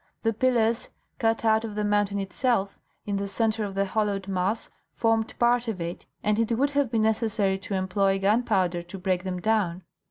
The pillars, cut out of the mountain itself, in the centre of the hollowed mass, formed part of it, and it would have been necessary to employ gunpowder to break them down.